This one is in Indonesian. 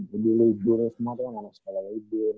jadi libur semua tuh gak ada sekolah tidur